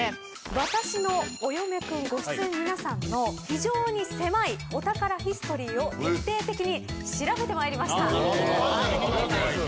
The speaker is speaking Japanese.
『わたしのお嫁くん』ご出演の皆さんの非常に狭いお宝ヒストリーを徹底的に調べてまいりました。